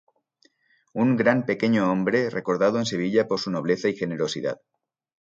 Un gran pequeño hombre, recordado en Sevilla por su nobleza y generosidad.